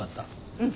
うん。